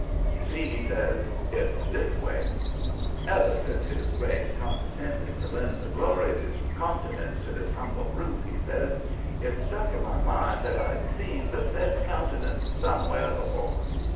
You see," he says, "it's this way: "Ever since his grace condescended to lend the glory of his countenance to this humble roof," he says, "it's stuck in my mind that I'd seen the said countenance somewhere before.